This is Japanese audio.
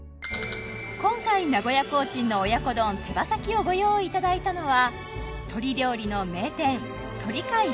今回名古屋コーチンの親子丼手羽先をご用意いただいたのは鶏料理の名店